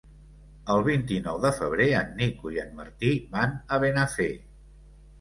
El vint-i-nou de febrer en Nico i en Martí van a Benafer.